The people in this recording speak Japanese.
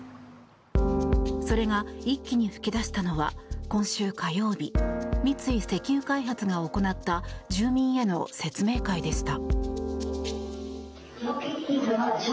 それが一気に噴き出したのは今週火曜日三井石油開発が行った住民への説明会でした。